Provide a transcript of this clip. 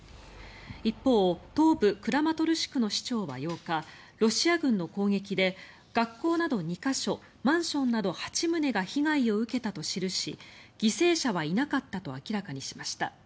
一方、東部クラマトルシクの市長は８日ロシア軍の攻撃で学校など２か所マンションなど８棟が被害を受けたと記し犠牲者はいなかったと明らかにしました。